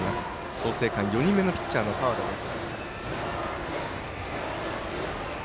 創成館、４人目のピッチャーの荻山です。